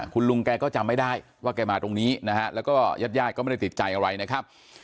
คุณลุงแกก็จำไม่ได้ว่าแกมาตรงนี้นะฮะแล้วก็ญาติญาติก็ไม่ได้ติดใจอะไรนะครับ